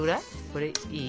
これいい？